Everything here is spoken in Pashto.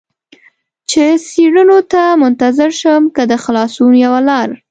چې څېړنو ته منتظر شم، که د خلاصون یوه لار.